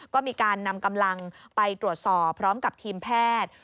ก็มีการนำกำลังไปตรวจสอบพร้อมกับทีมแพทย์